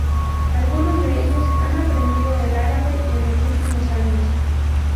Algunos de ellos han aprendido el árabe en los últimos años.